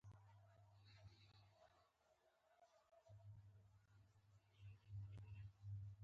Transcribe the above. مومن خان ناره وکړه.